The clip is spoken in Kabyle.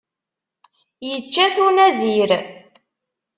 Ičča-t unazir.